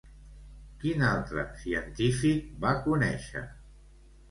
Quin altre científic va conèixer?